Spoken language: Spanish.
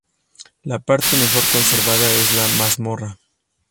La parte mejor conservada es la mazmorra.